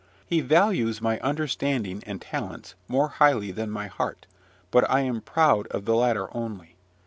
He values my understanding and talents more highly than my heart, but I am proud of the latter only.